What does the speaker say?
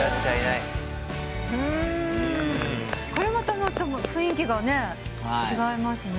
これまた雰囲気がね違いますね。